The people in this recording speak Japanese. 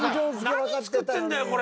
何作ってんだよこれ。